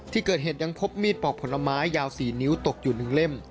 ที่เกิดเหตุยังพบมีดปอกผลไม้ยาว๔นิ้วตกอยู่๑เล่ม